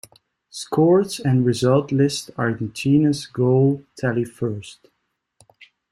Scores and results list Argentinas's goal tally first.